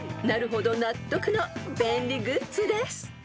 ［なるほど納得の便利グッズです］